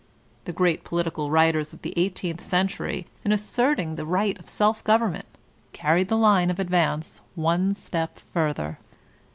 The great political writers of the eighteenth century, in asserting the right of self govern ment, carried the line of advance one step further.